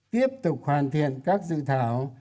tiếp tục hoàn thiện các dự thảo